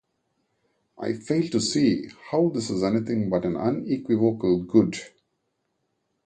I fail to see how this is anything but an unequivocal good.